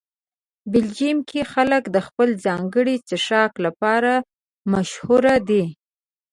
بلجیم کې خلک د خپل ځانګړي څښاک لپاره مشهوره دي.